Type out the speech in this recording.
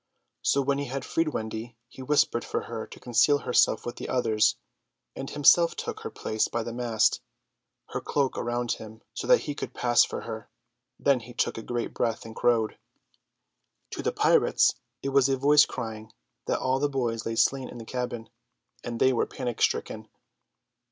So when he had freed Wendy, he whispered for her to conceal herself with the others, and himself took her place by the mast, her cloak around him so that he should pass for her. Then he took a great breath and crowed. To the pirates it was a voice crying that all the boys lay slain in the cabin; and they were panic stricken.